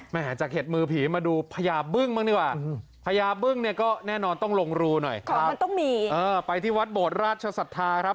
จากเห็ดมือผีมาดูพญาบึ้งบ้างดีกว่าพญาบึ้งเนี่ยก็แน่นอนต้องลงรูหน่อยมันต้องมีเออไปที่วัดโบดราชศรัทธาครับ